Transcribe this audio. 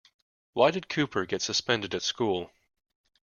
Why did Cooper get suspended at school?